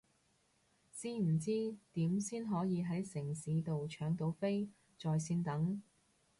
知唔知點先可以係城市到搶到飛在線等？